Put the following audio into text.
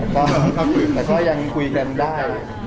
ก็แต่ก็ยังคุยกันได้